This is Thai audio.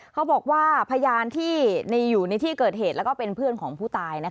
เขาบอกว่าพยานที่อยู่ในที่เกิดเหตุแล้วก็เป็นเพื่อนของผู้ตาย